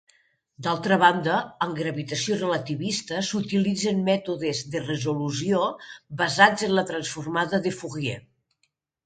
D'altra banda en gravitació relativista s'utilitzen mètodes de resolució basats en la transformada de Fourier.